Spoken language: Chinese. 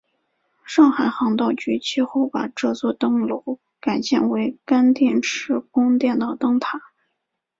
上海航道局其后把这座灯楼改建为干电池供电的灯塔。